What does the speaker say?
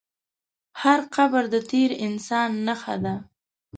هر قبر د تېر انسان نښه ده.